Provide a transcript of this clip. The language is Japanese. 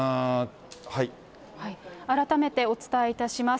改めてお伝えいたします。